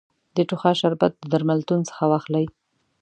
د ټوخا شربت د درملتون څخه واخلی